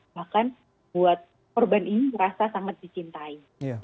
bahkan buat korban ini merasa sangat dicintai